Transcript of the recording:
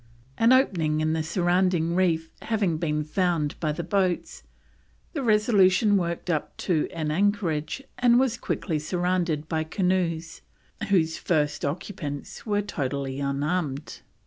An opening in the surrounding reef having been found by the boats, the Resolution worked up to an anchorage and was quickly surrounded by canoes whose occupants were totally unarmed.